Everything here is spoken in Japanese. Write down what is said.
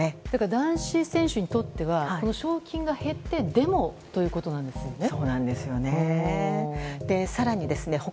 男子選手にとってはこの賞金が減ってでもということなんですね。